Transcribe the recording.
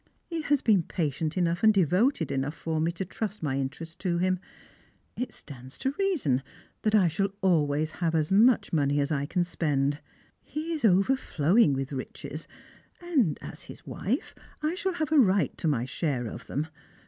He has been patient enough and devoted enough for me to trust my interests to him. It stands to reason that I shall always have as much money as I can spend. He is overflowing with riches, and as his wife I shall have a right to my share of them.